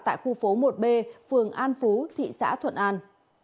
tại khu phố một b phường an phú thị xã thuận an